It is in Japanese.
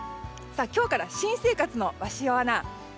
今日から新生活の鷲尾アナ